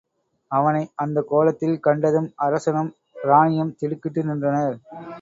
அவனை அந்தக் கோலத்தில் கண்டதும் அரசனும் இராணியும் திடுக்கிட்டு நின்றனர்.